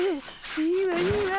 いいわいいわ！